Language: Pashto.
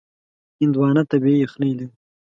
هندوانه طبیعي یخنۍ لري.